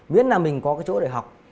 biết là mình có cái chỗ để học